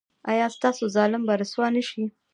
ایا ستاسو ظالم به رسوا نه شي؟